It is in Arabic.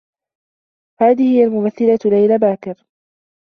هذه هي الممثّلة ليلى باكر.